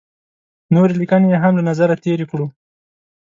نورې لیکنې یې هم له نظره تېرې کړو.